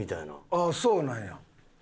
あっそうなんや。